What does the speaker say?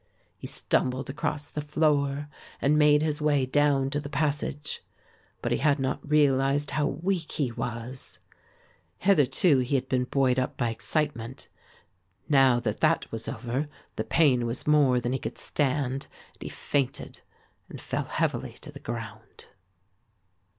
He stumbled across the floor and made his way down to the passage, but he had not realised how weak he was. Hitherto he had been buoyed up by excitement; now that that was over the pain was more than he could stand and he fainted and fell heavily to the ground.